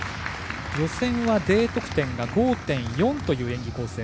予選はＤ得点が５．４という演技構成。